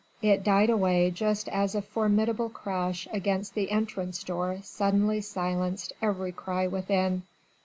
It died away just as a formidable crash against the entrance door suddenly silenced every cry within.